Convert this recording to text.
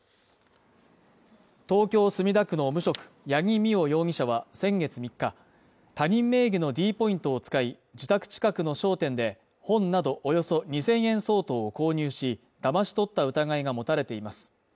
東京墨田区の無職八木美緒容疑者は先月３日、他人名義のｄポイントを使い、自宅近くの商店で本などおよそ２０００円相当を購入し、だまし取った疑いが持たれています。